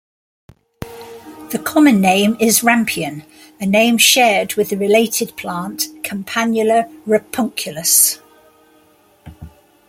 The common name is Rampion, a name shared with the related plant "Campanula rapunculus".